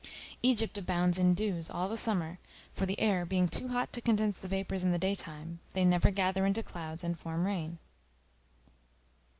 Egypt abounds in dews all the summer; for the air being too hot to condense the vapors in the day time, they never gather into clouds and form rain.